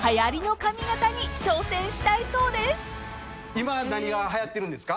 今何がはやってるんですか？